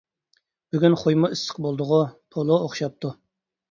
بۈگۈن خۇيمۇ ئىسسىق بولدىغۇ، پولۇ ئوخشاپتۇ.